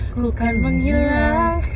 ku kan menghilang